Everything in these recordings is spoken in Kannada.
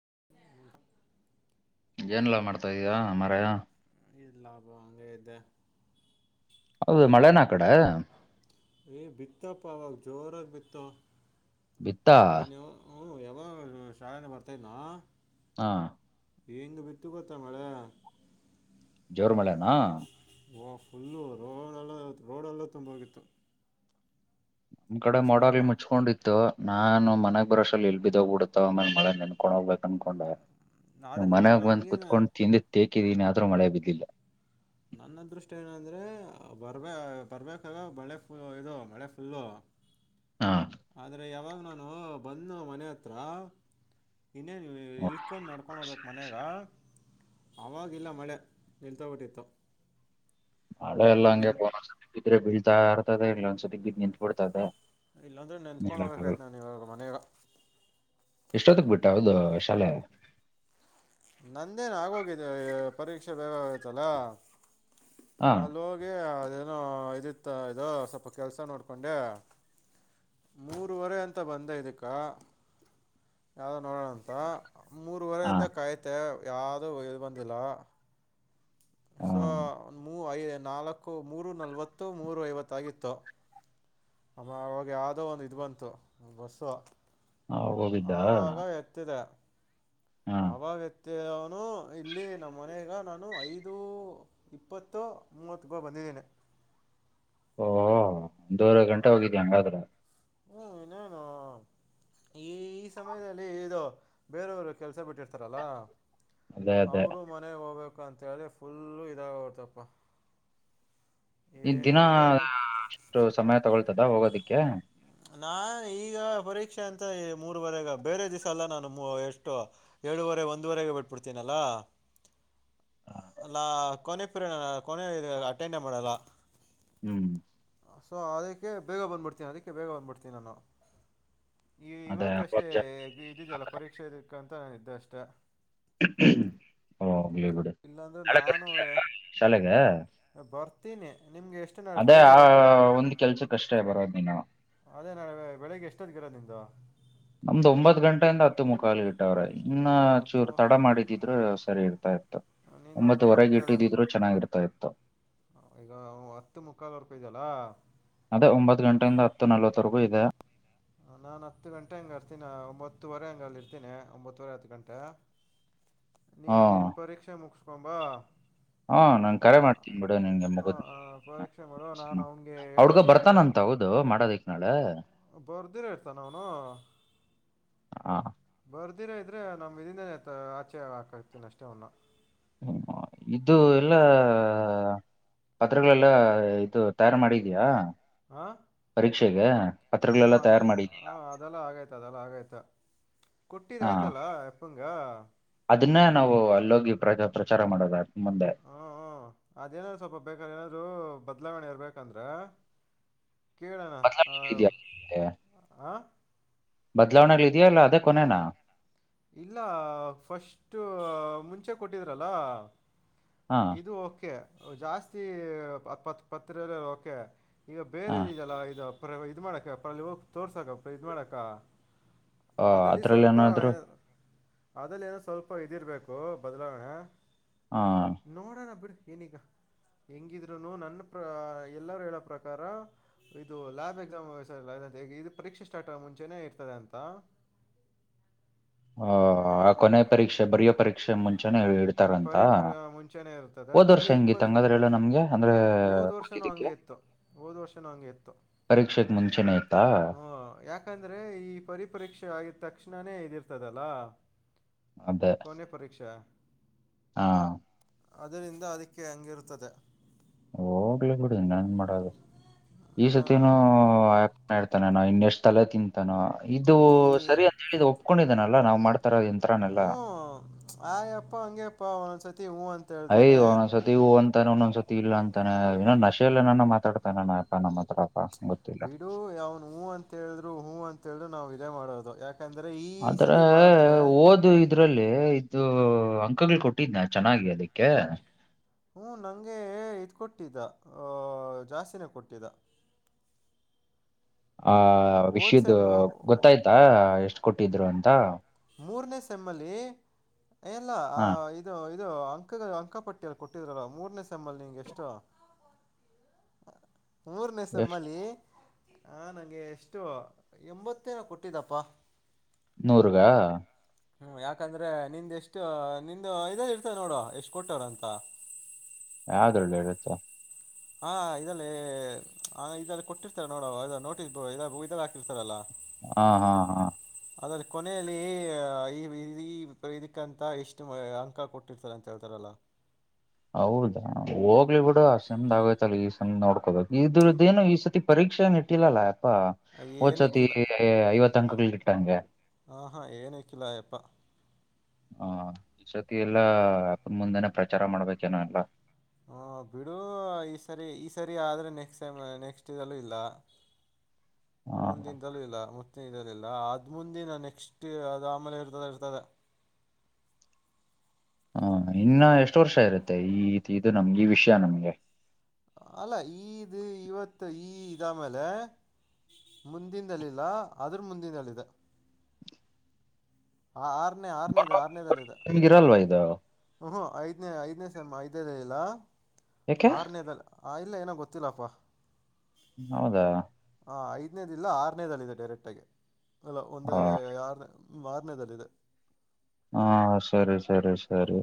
ಹ ಏನೆಲ್ಲ ಮಾಡ್ತಾ ಇದೀಯಾ ಮರಯ ಇಲ್ಲಾ ಅಬ ಅಂಗ ಇದ್ದ ಹೌದು ಮಳೆನಾಕ್ತ ಏ ಬಿತ ಪಾವಾಗ ಜೋರಕ್ಕೆ ಬಿತ ಬಿತ್ತಾ ಹ ಯಾವ ಶಾಲೆನ ಬರ್ತಿದ್ನಾ ಹಾ ಏಂಗ ಬಿತ್ತು ಗೊತ್ತ ಮಳೆ ಜೋರ್ಮಲೆನಾ ವ ಫುಲ್ಲು ರೋಡೆಲ್ಲ ರೋಡೆಲ್ಲ ತುಂಬಾಗಿತ್ತು ನಮ್ ಕಡೆ ಮೋಲ್ ಮುಚ್ಕೊಂಡಿತ್ತು ನಾನು ಮನಗ್ ಬರೋಸ ಎಲ್ ಬಿದ್ ಡುತ್ತೆ ಆಮೇಲೆಳ ನೆನ್ಕೊಂಡ ಹೋಗ್ಬೇಕು ಅನ್ಕೊಂಡ್ ಆದರೆ ಲಾ ಮನ್ಯಾಗ ಬಂದ್ ನನಗೇನು ಕುತ್ಕೊಂಡು ತಿಂದಿ ತೇೇಕಿದೀನ್ರೂ ಮಳೆ ಬಿದ್ದಿಲ್ಲ ನನ್ನದೃಷ್ಟ ಏನಂದ್ರೆ ಬರ್ಬೇಕ ಬರ್ಬೇಕಾಗ ಮಳೆ ಫು ಇದು ಮಳೆ ಫುಲ್ಲು ಹಾ ಆದ್ರೆ ಯಾವಾಗ ನಾನು ಬಂದ ಮನೆ ಹತ್ರ ಇನ್ನೇನು ಇಲ್ಕೊಂಡು ನಡ್ಕೊಂಡು ಹೋಗ್ಬೇಕು ಮನ್ಯಾಗ ಆವಾಗಿಲ್ಲ ಮಳೆ ನಿಲ್ತಾಬಿಟ್ಟಿತ್ತು ಮಳೆಲ್ಲ ಹಂಗೆಿದ್ರೆ ಬೀಳ್ತಾ ಆರ್ತದೇ ಇಲ್ಲ ತಿಗ್ ಬಿದ್ದು ನಿತ್ಬಿಡ್ತದೆ ಇಲ್ಲಾಂದರೆ ನೆಂತ್ಕೊಂಡು ಹೇಳಕ್ಕೆ ಆಗಲ್ಲ ಹೋಗ್ಬೇಕಾಯ್ತು ನಾನು ಇವಾಗ ಮನೆಗೆ ಎಷ್ಟೊತ್ತಕ್ ಬಿಟ್ಟೆ ಹೌದು ಶಾಲೆ ನಂದೇನ್ ಆಗೋಗಿದೆ ಪರೀಕ್ಷೆ ಬೇ ಆಯತಲ್ಲ ಹಾ ಅಲ್ಲಿ ಹೋಗಿ ಅದೇನೋ ಇದಿತ್ತ ಇದು ಸ್ವಲ್ಪ ಕೆಲ್ಸ ನೋಡ್ಕೊಂಡೆ ಮೂರುವರೆ ಅಂತ ಬಂದೆ ಇದಕ್ಕೆ ಯಾವ್ದೋ ನೋಡೋಣಂತ ಮೂರ್ವರೆ ಹಾ ಇಿಂದ ಕಾಯ್ತೆ ಯಾವ್ದೋ ಇಲ್ ಬಂದಿಲ್ಲ ಸ ಹಾ ಮೂ ಐ ನಾಲ್ಕು ಮೂರು ನಲ್ವತ್ತು ಮೂರು ಐವತ್ತ ಆಗಿತ್ತು ಅಮ್ಮ ಅವಾಗ ಯಾವ್ದೋ ಒಂದು ಇ್ ಬಂತು ಬಸ್ಸು ಹೋಗಿದ್ದ ಆವಾಗ ಎತ್ತಿದೆ ಹಾ ಅವಾಗ ಅವನು ಇಲ್ಲಿ ನಮ್ಮ ಮನೆಗ ನಾನು ಐದು ಇಪ್ಪತ್ತು ಮೂವತ್ಗ ಬಂದ ತನ್ ಓಹ ಒಂದೂರೆ ಗಂಟೆ ಹೋಗಿದ ಹಂಗಾದ್ರ ಹ್ಮ್ ಇನೇನು ಈ ಈ ಸಮಯದಲ್ಲಿ ಇದು ಬೇರೆಯವರು ಕೆಲ್ಸ ಬಿಟ್ಟಿರ್ತಾರಲ್ಲ ಅದೇ ಅದೇ ಅವರುೂ ಮನೆಗೆ ಹೋಗ್ಬೇಕು ಅಂತೇಳಿ ಫುಲ್ಲು ಇದಾಗ ಹೊತಪ್ಪ ಈ ದಿನ ಅಷ್ಟು ಸಮಯ ತಗೊಳ್ತದ ಹೋಗೋದಿಕ್ಕೆ ನಾನ್ ಈಗ ಪರೀಕ್ಷೆ ಅಂತ ಮೂರವರೆಗ ಬೇರೆ ದಿವಸ ಅಲ್ಲ ನಾನು ಎಷ್ಟು ಏಳುವರೆ ಒಂದುವರೆಗೆ ಬಿಟ್ಬಿಡ್ತೀನಲ್ಲ ಅಲ್ಲ ಕೊನೆ ಪ್ರರಿ ಕೊನೆ ಇ ಅಟೆಂಡೇ ಮಾಡಲ್ಲ ಹ್ಮ್ ಸೊ ಅದಕ್ಕೆ ಬೇಗ ಬಂದು ಬಿಡ್ತೀನಿ ಅದಕ್ಕೆ ಬೇಗ ಬಂದು್ಬಿಡ್ತೀನಿ ನಾನು ಈ ಅದೇ ಇವತ್ತಷ್ಟೇ ಇದಿದಲ್ಲ ಪರೀಕ್ಷೆ ಇದಕ್ಕಂತ ನಾನು ಇದ್ದೆ ಅಷ್ಟ ಹ ಇರ್ಲಿ ಬಿಡು ಇಲ್ಲಾಂದರೆ ನಾಳೆ ನಾನು ಬರ್ತೀಯ ಶಾಲೆಗೆ ಬರ್ತೀನಿ ನಿಮಗೆ ಎಷ್ಟು ನಾಳೆ ಅದೇ ಬೆಳಗ್ಗೆ ಆ ಇರೋದಲ್ಲ ಒಂದ್ ಕೆಲ್ಸಕ್ಕಷ್ಟೇ ಬರೋದು ನೀನ್ನ ಅದೇ ನಾಳೆ ಬೆಳಿಗ್ಗೆ ಎಷ್ಟೊದ್ ಗಿರೋ ನಿದ ನಮ್ದ್ ಒಂಬತ್ ಗಂಟೆಯಿಂದ ಹತ್ತು ಮುಖಾಾಲ ಇಟ್ಟವ್ರೆ ಇನ್ನ ಹತ್ತು ಚೂರ್ ಮು ತಡ ಮಾಡಿದಿದ್ರೆ ಸರಿ ಇರ್ತಾ ಇತ್ತು ನೀನು ಹತ್ತು ಒಂಬತ್ವರೆಗೆ ಅಂತೇಳಿ ಇಟ್ಟಿದಿದ್ರು ಚೆನ್ನಾಗಿ ಇರ್ತಾ ಇತ್ತು ಈಗ ಹತ್ತು ಮುಕ್ಕಾಲು ವರ್ಕ ಇದ್ದಲ್ಲ ಅದೇ ಒಂಬತ್ತು ಗಂಟೆಯಿಂದ ಹತ್ತು ನಲ್ವತ್ತರೆಗೂ ಇದೆ ನಾನ್ ಹತ್ತು ಗಂಟೆ ಹಂಗ ಅರ್ತೀನ ಒಂಬತ್ತುವರೆ ಹಂಗ ಅಲ್ಲಿ ಇರ್ತೀನನೆ ಒಂಬತ್ತುವರೆ ಹತ್ತು ಗಂಟೆ ನೀ ಹಾ ನಿನ್ ಪರೀಕ್ಷೆ ಮುಗಿಸಕೊಂಬಾ ಹಾ ನಾನ್ ಕರೆ ಮಾಡ್ತೀನಿ ಬಿಡು ನಿನ್ಗೆ ಮಗ ಹಾಂ ಪರೀಕ್ಷೆ ಮಾಡೋ ನಾನು ಅವನಿಗೆ ಆ ಹುಡುಗ ಹೇಳ್ತೀನಿ ತ ಬರ್ತಾನಂತ ಹೌದು ಮಾಡೋದಿಕ್ ನಳೆ ಬರ್ಧೇರ ಇರ್ತ ಅವನು ಹಾ ಬರ್ಧಿರ ಇದ್ರೆ ನಮ್ ಇದರಿಂದ ಆಚೆ ಹಾಕ್ತೀನಿ ಅಷ್ಟೇ ಒನ್ನ ಹ್ಮ್. ಇದು ಎಲ್ಲ ಪತ್ರಗಳೆಲ್ಲ ಇದು ತಯಾರು ಮಾಡಿದಯಾ ಹ ಗ ಹ್ಮ್ ಅದ ಹ ಅದೆಲ್ಲ ಆಗೈತ ಅದೆಲ್ಲ ಆಗೈತ ಕುಟ್ಟಿಿದ ಹಾ ಆಯ್ತಲಾ ಎಪ್ಪಂಗ ಅದನ್ನ ನಾವು ಅಲ್ಲೋಗಿ ಪ್ರಾ ಪ್ರಚಾರ ಮಾಡೋದಾದ ಹ್ಮ ಹ ಅದೇನಾದ್ರು ಸ್ವಲ್ಪ ಬೇಕಾರ ಏನಾದ್ರು ಬದಲಾವಣೆ ಇರ್ಬೇಕಂದ್ರ ಕೇಳ ಆ ಬದಲಾವಣೆಗಳು ಇದೆಯಾ ಆ ಬದಲಾವಣ ಲೀಿದಿಯ ಅಲ್ಲಾ ಇಲ್ಲ ಫಸ್ಟ್ ಮುಂಚೆ ಕೊಟ್ಟಿದ್ರಲ್ಲ ಹಾ ಇದು ಓಕೆ ಜಾಸ್ತಿತ್ ಪತ್ರ ಓಕೆ ಈಗ ಹಾ ಬೇರೆದು ಇದಲ್ಲಾ ಇದು ಇದ್ ಮಾಡಾಕ ಅ್ರ ಅಲ್ಲಿ ಹೋಗ ತೋರ್ಸಕ ಇದ್ ಮಾಡಾಕ ಹ ಅದ್ರಲ್ಲಿ ಏನಾದ್ರು ಅದಲ್ಲಿ ಏನೋ ಸ್ವಲ್ಪ ಇದಿರ್ಬೇಕು ಬದಲಾವಣೆ ಹಾ ನೋಡೋಣ ಬಿಡಿ ನಿಕ ಹೆಂಗಿದ್ರುನು ನನ್ನ ಪ್ರ ಎಲ್ಲರೂ ಹೇಳೋ ಪ್ರಕಾರ ಇದು ಲ್ಯಾಬ್ ಎಕ್ಸಾಮ್ ಇದು ಪರೀಕ್ಷೆ ಸ್ಟಾರ್ಟ್ ಮುಂಚೆನನೆ ಇರ್ತದೆ ಅಂತ ಹ ಆ ಕೊನೆಯ ಪರೀಕ್ಷೆ ಬರಿ ಪರೀಕ್ಷೆ ಮುಂಚೆ ನ ಹ ಇಡ್ತಾರಂತ ಪರಿ ಪರಿ ಆ, ಮುಂಚೆನೇ ಇರ್ತದೆ ಹೋದ್ ವರ್ಷ ಅಂದ್ರೆ ಹೆಂಗಿ ಇಪ್ಪತ್ ತಂಗದ್ರ ಎಲ್ಲ ನಮ್ಗೆ ಅಂದ್ರೆ ಹೋದ್ ವರ್ಷನೂ ಓದಿದ್ದಕ್ಕೆ ಹಂಗೆ ಇತ್ತು ಹೋದ ವರ್ಷನ ಹಂಗೆ ಇತ್ತು ಪರೀಕ್ಷೆಗ್ ಮುಂಚೆನೆ ಇತ್ತಾ ಹ ಯಾಕಂದ್ರೆ ಈ ಪರಿಪರೀಕ್ಷೆ ಆಗ ತಕ್ಷಣ ಕೃಷ್ಣಾನೇ ಇದಿರ್ತದಲ್ಲ ಅದೇ ಕೊನೆ ಪರೀಕ್ಷೆ ಹಾ ಅದರಿಂದ ಅದಕ್ಕೆ ಹಂಗಿರುತ್ತದೆ ಹೋಗ್ಲಿ ಬಿಡಿ ನನ್ನ್ ಮಾಡೋದು ಈ ಹಾ ಸತಿನೂ ಆಕ್ ನ ಇನ್ನಷ್ಟ್ ತಲೆ ತಿಂತಾನ ಇದು ಈ ಸರಿ ಅಂತ ಹೇಳಿದ ಒಪ್ಕೊಂಡಿದನಲ್ಲಾ ನಾವ್ ಮಾಡ್ ಹ್ಮ್ ಆಯ್ ಎಪ್ಪ ಅಂಗಗೆ ಅಪ್ಪಾ ಅವ ಯ ಸತಿ ಒ ಅ ಇೊಂದ್ಸತಿ ಇಲ್ಲ ಅಂತಾನೆ ಇಏನ ನಶೆಲ್ಲನಾನ ಮಾತಾಡ್ತಾನೆಾನನಯಪ್ಪಾ ನಮ್ಮ ಹತ್ರ ಬಿಡು ಯಾವ್ನ್ ಹೂ ಅಂತ ಹೇಳ್ರು ಹೂ ಅಂತ ಹೇಳ್ರು ನಾವ್ ಇದೇ ಮಾಡೋದು ಯಾಕ ಅದ್ರ ಓದು ಇದು ಇದ್ರಲ್ಲಿ ಇದದು ಅಂಕಗಳು ಕೊಟ್ಟಿದ್ನ ಚೆನ್ನಾಗಿ ಅದಕ್ಕೆ ಹ್ಮ ನಂಗೆ ಇದ್ ಕೊಟ್ಟಿದ್ದ ಆ ಜಾಸ್ತಿನೇ ಕೊಟ್ಟಿದ್ದ ಆ ಹೋದ ವಿಷ್ಯ್ದ ಸೆಮ್ಮು ಗೊತ್ತಾಯ್ತಾ ಎಷ್ಟ್ ಕೊಟ್ಟಿದ್ರು ಅಂತ ಮೂರನೇ ಸೆಮ್ಮಲ್ಲಿ ಎಲ್ಲ ಆ ಹಾ ಇ ಇದು ಅಂಕ ಅಂಕ ಪಟ್ಟಿಯಲ್ಲಿ ಕೊಟ್ಟಿದ್ರಲ್ಲ ಮೂರನೇ ಸಮ್ಮಲ್ ನಿಂಗೆ ಎಷ್ಟು ಎಷ್ಟ್ ಮೂರನೇಸಮ್ಮಲ್ಲಿಿ ಹ ನಂಗೆ ಎಷ್ಟೋ ಎಂಬತ್ತೇನ ಕೊಟ್ಟಿದಪ್ಪಾ ನೂರುಗ ಹ್ಮ ಯಾಕಂದ್ರೆ ನಿಂದ ಎಷ್ಟ ನಿಂದ ಇದ ಇರ್ತದೆ ನೋಡು ಎಷ್ಟ ಕೊಟ್ಟಾರ ಅಂತ ಯಾವ್ದ್ಳ್ಳ ಇರುತ್ತೆ ಹಾ ಇದದೆಲ್ಲಿ ಆ ಇದಲ್ಲಿ ಕೊಟ್ಟಿರ್ತಾರೆ ನೋಡ ನೋಟಿಸ್ ಇದಲ್ಲ ಹಾಕಿರ್ತಾರಲ್ಲಾ ಹಾ ಹಾ ಹಾ ಅದ್ರ ಕೊನೆಯಲ್ಲಿ ಈ ಇದಕ್ಕಂತ ಎಷ್ಟು ಅಂಕ ಕೊಟ್ಟಿರ್ತಾರ ಅಂತ ಹೇಳ್ತಾರಲ್ಲ ಹ್ಮ ಹೌದಾ ಹೋಗ್ಲಿ ಬಿಡು ಆ ಚಂದ್ ಆಗಯತಲ್ಲ ಈ ಸಂದ್ ನೋಡ್ಕೋಬೇಕು ಇದ್ರದ್ದೇನು ಈ ಸತಿ ಪರೀಕ್ಷೆ ಶಿಕ್ಷೆನ್ ಇಟ್ಟಿಲ್ಲಲ್ಲ ಅಪ್ಪಾ ಏನೂ ಹಚ್ತಿ ಐವತ್ತು ಅಂಕಗಳ ಇಟ್ಟಂಗೆ ಹ ಹಾ ಏನಕ್ಕಿಲ್ಲಯಪ್ಪಾ ಹಾ ಈತಿ ಎಲ್ಲ ಅಪನ್ ಮುಂದೆನೆ ಪ್ರಚಾರ ಮಾಡ್ಬೇಕೇನ ಎಲ್ಲ ಹ್ಮ ಬಿಡು ಈ ಸರಿ ಈ ಸರಿ ಆದ್ರೆ ನೆಕ್ಸ್ಟ್ ಟೈಮ್ ನೆಕ್ಸ್ಟ್ ಇದಲ್ಲೂ ಇಲ್ಲ ಹ ಮುಂದಿನಲೂ ಇಲ್ಲ ಮ ಇರದಿಲ್ಲ ಅದ್ ಮುಂದಿನ ನೆಕ್ಸ್ಟ್ ಅದು ಆಮೇಲೆ ಇರ್ತದ ಇರ್ತದ [unintelligible] ಹ ಇನ್ನ ಎಷ್ಟು ವರ್ಷ ಇರುತ್ತೆ ಈ ಇದು ನಮ್ಗೆ ಈ ವಿಷಯ ನಮ್ಗೆ ಅಲ್ಲ ಈದು್ ಇವತ್ತು ಈ ಇದಮೇಲೆ ಮುಂದಿಂದಲಿಲ್ಲ ಆದ್ರ ಮುಂದಿನಲ್ಲಿದೆ ಆ ಆರ್ನೇ ಆರನೇದ ಆರನೇದಲ್ಲದಾ ನಿಮ್ಗೆ ಇರಲ್ವಾ ಇದು ಹ್ಮ ಐದನೇ ಐದನೇ ಸ ಐದನೇದ ಇಲ್ಲ ಯಾಕೆ ಆರನೇ ಇಲ್ಲ ಪೊತ್ತಲಪ್ಪ ಹೌದಾ ಹಾಂ ಐದನೇದುಲ್ಲ ಆರನೇದಲ್ಲಿದೆ ಡೈರೆಕ್ಟಾಗಿ ಅಲ ಒಂದು ಹ ಯಾರನೇ ಮಾರನದಲ್ಲಿದೆ ಹಾ ಸರಿ ಸರಿ ಸರಿ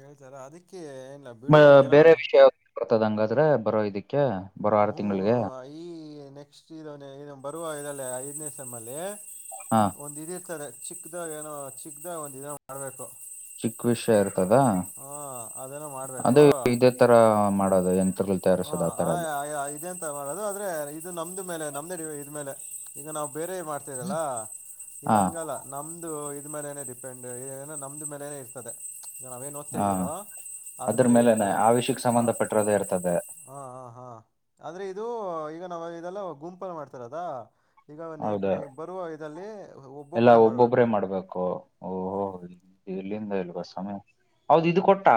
ಹೇಳ್ತಾರ ಅದಕ್ಕೆ ಏನಿಲ್ಲ ಬಿಡು ಅದೇನೋ ಬೇರೆ ಅವ್ನು ಮಾ- ವಿಷಯ ಬರ್ತದ ಹಂಗಾದ್ರೆ ಬರೋ ಇದಕ್ಕೆ ಬರೋ ಆರು ಹ್ಞೂ ತಿಂಗಳಿಗೆ ಈ ನೆಕ್ಸ್ಟ್ ಇದ ಬರುವ ಇದಲ್ಲಿ ಐದನೇ ಸ ಎಮ್ ಅಲ್ಲಿ ಹಾ ಒಂದು ಇದ ಹತಾರೆ ಚಿಕ್ದಾಗ ಏನೋ ಚಿಕ್ಕದಾಗ ಒಂದಿನ ಮಾಡ್ಬೇಕು ಚಿಕ್ ವಿಷಯ ಇರ್ತದ ಅದೇನೋ ಅದೇ ಮಾಡಬೇಕು ಇದೇ ತರ ಮಾಡದು ಎ ತಿಸೋದ ಆಥರಲ್ಲಿ ಮಾಡದು ಆದ್ರೆ ಇದು ನಮ್ದ ಮೇಲೆ ನಮ್ದಡಿ ಇದ್ಮೇಲೆ ಈಗ ನಾವು ಬೇರೆ ಮಾಡ್ತರಲ್ಲ ಇದ ಹಾ ಹಂಗಲ್ಲ ನಮ್ದ ಇದ ಮೇಲೆನೆ ಡಿಪೆಂಡ್ಏನ ನಮ್ದ್ ಮೇಲೆನನೆ ಇರ್ತದೆ ಈಗ ನಾವೇನ್ ಓದ್ತಾ ಹಾ ಇದ್ದೀರೋ ಅದ್ರ ಅದ್ಮೇಲೆ ಮೇಲೆನೆ ಇರ್ತದೆ ಆಷ್ಯಕ್ಕೆ ಹಾ ಸಂಬಂಧ ಪಟ್ಟಿರೋದೇ ಇರ್ತದೆ ಹಾ ಹಾ ಹಾ ಆದ್ರೆ ಇದು ಈಗ ನಾವ ಇದೆಲ್ಲ ಗುಂಪಲ್ ಮಾಡ್ತಾರದಾ ಹೌದಾ ಎಲ್ಲಾ ಒಬ್ಬೊಬ್ಬರೇ ಒಬ್ಬೊಬ್ರೇ ಮಾಡಬೇಕು ಮಾಡ್ಬೇಕು ಹ ಇಲ್ಲಿಂದ ಇಲ್ವಾ ಸಮಯ ಹೌದು ಇದು ಕೊಟ್ಟಾ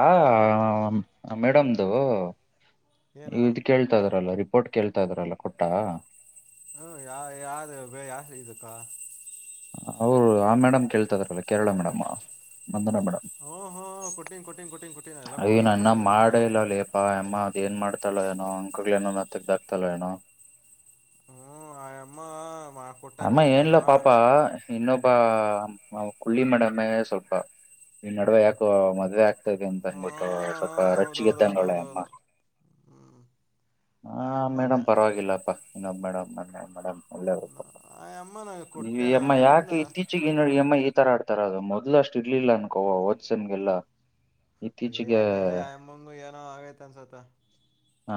ಮೇಡಮ್ದು ಇ ಏನು ಇದು ಕೇಳ್ತಾ ಇದ್ರಲ್ಲ ರಿಪೋರ್ಟ್ ಕೇಳ್ತಾ ಇದ್ರಲ್ಲ ಕೊಟ್ಟ ಹ್ಮ ಯಾ ಯಾವ ಬ ಯಾ ಇದಕ್ಕ ಅವ್ರು ಆ ಮೇಡಮ್ ಕೇಳ್ತದಾರಲ್ಲ ಕೇರಳ ಮೇಡಮ್ ನಂದನಾ ಮೇಡಮ್ ಹ್ಞೂ ಹ್ಞೂ ಕೊಟ್ಟಿನಿ ಕೊಟ್ಟಿನಿ ಕೊಟ್ಟಿನಿ ಕೊಟ್ಟಿನಿ ಎಲ್ಲ ಕೊ ಅಯನ ಎಲ್ಲ ಅನ್ನ ಕೊಟ್ಟಾಕಿದ್ದೀನಪ್ಪ ನಾನು ಮಾಡಲ್ಲ ಅಲ್ಲಿಪ್ಪಾ ಅಮ್ಮ ಅದ ಏನ್ ಮಾಡ್ತಲ್ಲ ಏನೋ [inaudible] ಹ್ಮ್ ಆಯಮ್ಮ ಮಾ ಅಮ್ಮ ಕೊಟ್ಟಾಕಿದ್ದೆ ಏನ್ಲ್ಲ ನಾನು ಪಪಾ ಇನ್ನೊಬಾ ನ ಕುಳ್ಳಿ ಮಡಮೆ ಸ್ವಲ್ಪ ಈ ನಡುವೆ ಯಾಕೋ ಮದ್ವೆ ಆಾಕ್ ಅಂತ ಹ್ಮ ಅಂದ್ಬಿಟ್ಟು ಸ್ವಲ್ಪ ರೊಚ್ಚಿಗೆ ತಗಳೆ ಅಮ್ಮ ಹೌದೌದೌದೌದೌದು ಹ್ಮ್ ಹಾ ಆಯಮ್ಮನ ಮೇಡಮ್ ಪರವಾಗಿಲ್ಲಪ್ಪ ಇನ್ನೊಬ್ ಮೇಡಮ ಮೇಡಮ್ ಒಳ್ಳೆಯ ಪ ಆಯಮ್ಮನ ಈ ಕೊಟ್ಟೆನ ಅಮ್ಮ ಆಯಮ್ಮನ ಯಾಕೆ ಇತ್ತೀಚಗ ನೋ ಅಮ್ಮ ತ ಆಡ್ತಾರ ಅದು ಮೊದ್ಲು ಅಷ್ಟ ಇಲಿಲ್ಲ ಅನ್ಕೋವ ಓದ್ಸನ್ಗೆಲ್ಲ ಏ ಇತ್ತೀಚೆಗೆ ಅದೆಲ್ಲ ಅಂಬಂಗು ಏನೋ ಆಗೈತ್ ಅನ್ಸತ ಹಾ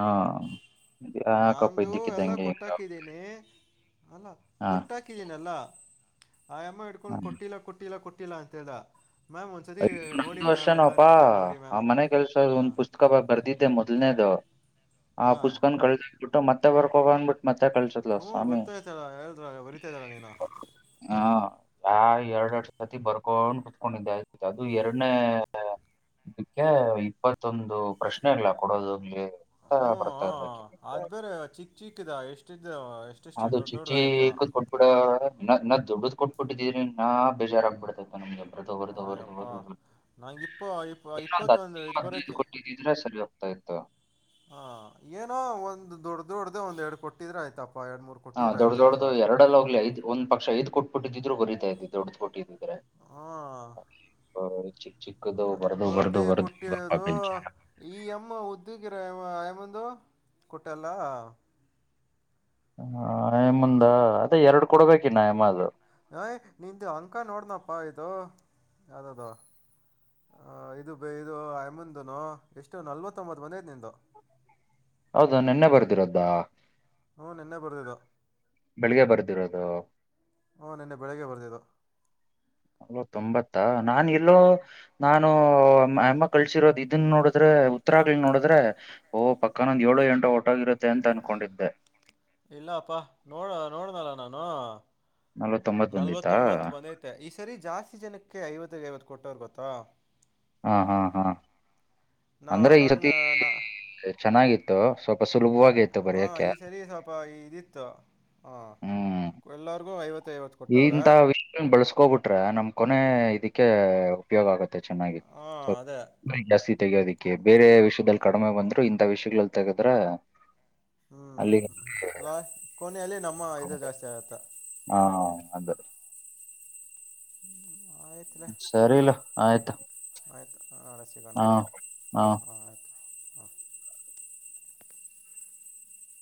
ಯಾಕಪ್ಪ ನಾಂದು ಎಲ್ಲ ಇದ್ದಕ್ಕಿದ್ದಂಗೆ ಕೊಟ್ಟಾಕಿದ್ದೀನಿ ಅಲ್ಲ ಹಾ ಕೊಟ್ಟಾಕಿದೀನಲ್ಲ ಆಯ ಅಮ್ಮ ಇಡ್ಕೊಂಡ್ ಹ್ಮ್. ಕೊಟ್ಟಿಲ್ಲ ಕೊಟ್ಟಿಲ್ಲ ಕೊಟ್ಟಿಲ್ಲ ಅಂತ ಹೇಳ್ದ ಮ್ಯಾಮ್ ಒಂದ್ಸತಿ ನೋಡಿ ಮ್ಯಾಮ್ ಎಲ್ಲಾ ನೀಟ್ ಹ ಆ ಮನೆ ಕೆಲ್ಸ ಒಂದ್ ಪುಸ್ತಕ ಬ ಬರ್ದಿದ್ದೆ ಮೊದ್ಲ್ನೇದು ಆ ಹಾಂ ಪುಸ್ತಕ ಕಳ್ಬಿಟ್ಟು ಮತ್ತೆ ಬರ್ಕ್ ಹೋಗಂದ್ಬಿಟ್ಟು ಮತ್ತ ಕಲ್ಸುಡ್ಲು ಹ್ಞೂ ಸ್ವಾಮಿ ಗೊತ್ತಾಯ್ತಲ್ಲ ಹೇಳಿದ್ರಲ್ಲ ಬರಿತಾ ಇದ್ದಲ್ಲ ನೀನು ಹಾ ಆ ಎರಡ್ ಎರಡು ಸತಿ ಬರ್ಕೊಂಡು ಕುತ್ಕೊಂಡಿದ್ದೆ ಅದು ಎರಡನೇ ಇದಕ್ಕೆ ಇಪ್ಪತ್ತೊಂದು ಪ್ರಶ್ನೆ ಇಲ್ಲ ಕೊಡೋದೋಗ್ಲಿ ಹ್ಞೂ ಅದು ಬೇರೆ [unintelligible] ಚಿಕ್ಕ ಚಿಕ್ಕಿದ ಎಷ್ಟಿದ್ದ ಎಷ್ಟೆಷ್ಟು ಅದು ದೊಡ್ಡ ಚಿ ಚಿ ದೊಡ್ಡದಾಗಿತ್ತು ಕೂತ್ ಕೊಟ್ಟ ಬಿಡ ಇನ್ನ್ ದೊಡ್ಡ ಕೊಟ್ಬಿಟ್ಟಿದ್ರೆ ಇನ್ನ ಬೇಜಾರಾಗಗ್ಬಿಡತೈತೆ ನಮಗೆಲ್ಲಿ ಬರ್ದು ಬರದು ಅಯ್ಯಪ್ಪ ಬರದು ಬ ನಂಗೆ ಇಪ್ಪ ಇಪ್ಪ ಏನ ಇಪ್ಪತ್ತೊಂದು ಇದು ಕೊಟ್ಟಿದ್ದಿದ್ರೆ ಸರಿಯ ದಯತ ಹಾ ಏನೋ ಒಂದ್ ದೊಡ್ಡ್ದೊಡ್ದ ಒಂದ್ ಎರಡು ಕೊಟ್ಟಿದ್ರೆ ಆಯ್ತಪ್ಪ ಎರಡು ಮೂರು ಹಾ ಕೊಟ್ಟಿದ್ರೆ ದೊಡ್ಡ ಆಯ್ತಾಯ್ತಾ ದೊಡು ಎರಡಲ್ಲ ಹೋಗ್ ಐದ್ ಒ ಪಕ್ಷ ಐದ್ ಕೊಟ್ಬಿಟ್ಟಿದ್ರು ಬರೀತಾ ಇದದೆ ದೊಡು ಕೊಟ್ಟಿದ್ದು ಹ ಚಿಕ್ಕ ಚಿಕ್ಕದು ಬರ್ದು ಬರ್ದು ಪರ್ದಿ ಬರ್ದು ಇವಾಗ ಕೊಟ್ಟಿರೋದು ಬೆಂಚ ಈ ಅಮ್ಮ ಉದ್ಯೋಗಿರ ಕೊಟ್ಟಲ್ಲ ಹ ಮುಂದ ಅದೇ ಎರಡು ಕೊಡ್ಬೇಕಿ ನಯಮದು ಅಯ್ ನಿದ ಅಂಕ ನೋಡನಪ್ಪಾ ಇದು ಯಾವ್ದದು ಹ ಇದು ಬ ಇದು ಮುಂದನು ಎಷ್ಟು ನಲ್ವತ್ತೊಂಬತ್ ಬಂದೈತೆ ನಿಂದು ಹೌದಾ ನಿೆನ್ನೆ ಬರ್ದಿರೋದಾ ಹ್ಮ ನಿನ್ನೆ ಬರ್ದಿದ್ದ ಬೆಳಿಗ್ಗೆ ಬರ್ದಿರೋದು ಹಓ ನಿನ್ನೆ ಬೆಳಿಗ್ಗೆ ಬರ್ದಿದ್ದು ಹೋ ತೊಂಬತ್ತಾ ನಾ ಎಲ್ಲೋ ನಾ ನ ಅಮ್ಮ ಕಳಸರೋದು ಇದನ್ನ ನೋಡಿದ್ರೆ ಉತ್ತರಾಗಳ ನೋಡಿದ್ರೆ ಓಹ ಪಕ್ಕಾನ ಒಂದ ಏಳು ಎಂಟ ಒಟಗಿರುತ್ತೆ ಅಂತ ಅನ್ಕೊಂಡಿದ್ದೆ ಇಲ್ಲಪ್ಪಾ ನೋಡ ನೋಡನಲ್ಲ ನಾನು ನಲ್ವತ್ತೊಂಬತ್ ಬಂದಿತ್ತಾ ನಲ್ವತ್ತೊಂಬತ್ತು ಬಂದೈತೆ ಈ ಸರಿ ಜಾಸ್ತಿ ಜನಕ್ಕೆ ಐವತ್ತ ಐವತ್ತು ಕೊಟ್ಟೋವರ್ ಗೊತ್ತ ಕುತ್ತ ಹಾ ಹಾ ಹಾ ನಾ ಅಂದ್ರೆ ಈ ಸತಿ ನಂಗೆ ನಾ ಚೆನ್ನಾಗಿತ್ತು ಸ್ವಲ್ಪ ಸುಲಭವಾಗಿ ಇತ್ತು ಹಾ ಬರೆಯಕ್ಕೆ ಈ ಸರಿ ಸ್ವಲ್ಪ ಇದಿತ್ತು ಹ ಎಲ್ಲರಿಗೂ ಐವತ್ತು ಐವತ್ತು ಕೊಟ್ಟವ್ರೆ ಇಂಥ ವಿಷಯ ಬಳಸ್ಕೋಬಿಟ್ರೆ ನಮ್ ಕೊನೆ ಇದಕ್ಕೆ ಉಪಯೋಗ ಆಗತ್ತೆ ಚೆನ್ನಾಗಿ ಹಾಂ ಅದೇ ಜಾಸ್ತಿ ತೆಗಯೋದಿಕ್ಕೆ ಬೇರೆ ವಿಷಯದಲ್ಲಿ ಕಡಿಮೆ ಬಂದ್ರು ಇಂಥ ವಿಷಯಗಳಲ್ಲಿ ತೆೆಗೆದ್ರ ಹ್ಮ್ ಲಾ ಕೊನೆಯಲ್ಲಿ ನಮ್ಮ ಇದು ಜಾಸ್ತಿ ಆಗತ್ತ ಹಾ ಅದ ಹ್ಮ್ ಹ್ಮ ಸರಿ ಇಲ್ಲ ಆಯ್ತಾ ಆಯ್ತು ಆಳ ಸಿಗಣ ಹಾ ಆಯ್ತು ಹಾ